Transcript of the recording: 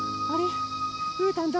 うーたんどこだ？